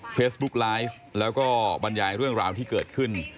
เฟซบุ๊กไลฟ์แล้วก็บรรยายเรื่องราวที่เกิดขึ้น